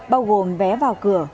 bao gồm vé vào cửa